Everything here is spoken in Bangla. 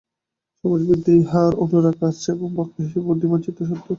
সমাজবিদ্যায় ইহার অনুরাগ আছে, এবং বক্তা হিসাবে ইনি বুদ্ধিমান চিত্তাকর্ষক।